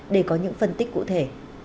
để có những phân tích cụ thể